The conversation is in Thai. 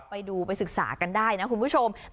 ไปดูไปศึกษากันได้นะคุณผู้ชม